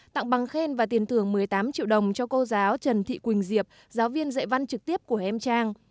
tặng bằng khen và tiền thưởng một mươi tám triệu đồng cho cô giáo trần thị quỳnh diệp giáo viên dạy văn trực tiếp của em trang